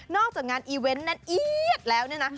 นอกจากงานอีเว้นต์แน่นแล้วเนี่ยนะ